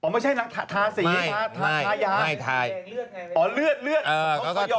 ไม่ใช่นะทาสีทายาอ๋อเลือด